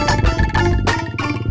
gimana mau diancam